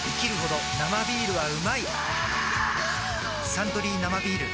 「サントリー生ビール」